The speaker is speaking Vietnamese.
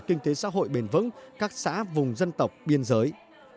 kinh tế xã hội bền vững các xã vùng dân tộc biên giới